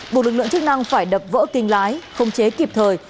buộc lực lượng chức năng phải đập vỡ kinh lái không chế kịp thời